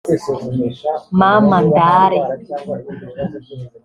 ‘Mama Ndare’